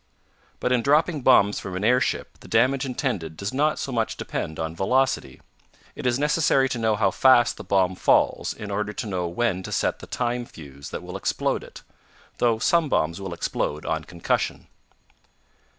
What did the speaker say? But in dropping bombs from an airship the damage intended does not so much depend on velocity. It is necessary to know how fast the bomb falls in order to know when to set the time fuse that will explode it; though some bombs will explode on concussion.